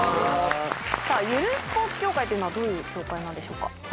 さぁゆるスポーツ協会というのはどういう協会なんでしょうか？